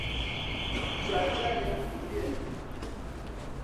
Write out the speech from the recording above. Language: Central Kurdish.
جار جارێ ئەقوولێنن